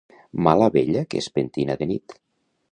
Mala vella que es pentina de nit.